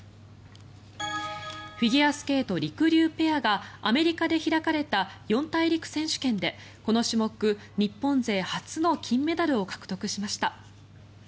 フィギュアスケートりくりゅうペアがアメリカで開かれた四大陸選手権でこの種目、日本勢初の金メダルを獲得しました。